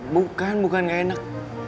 bukan bukan gak enak